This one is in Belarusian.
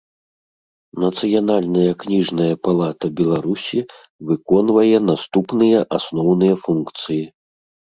Нацыянальная кнiжная палата Беларусi выконвае наступныя асноўныя функцыi.